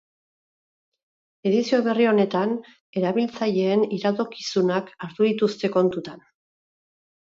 Edizio berri honetan erabiltzaileen iradokizunak hartu dituzte kontutan.